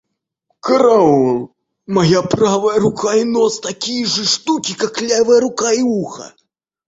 Караул, моя правая рука и нос такие же штуки, как левая рука и ухо!